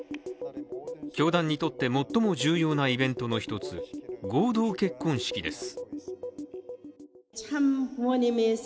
教団にとって最も重要なイベントの一つ、合同結婚式です。